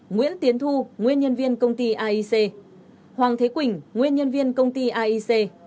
nguyễn tiến thu nguyên nhân viên công ty aic hoàng thế quỳnh nguyên nhân viên công ty aic